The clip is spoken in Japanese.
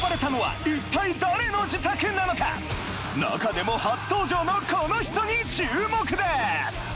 ・果たして中でも初登場のこの人に注目です！